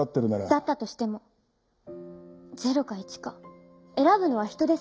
だったとしても０か１か選ぶのは人です。